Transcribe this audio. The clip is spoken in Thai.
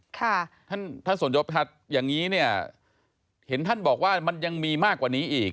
ท่านท่านสมยศครับอย่างนี้เนี่ยเห็นท่านบอกว่ามันยังมีมากกว่านี้อีก